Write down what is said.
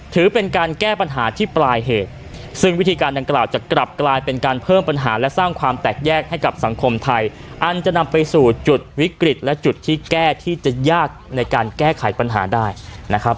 ถือเป็นการแก้ปัญหาที่ปลายเหตุซึ่งวิธีการดังกล่าวจะกลับกลายเป็นการเพิ่มปัญหาและสร้างความแตกแยกให้กับสังคมไทยอันจะนำไปสู่จุดวิกฤตและจุดที่แก้ที่จะยากในการแก้ไขปัญหาได้นะครับ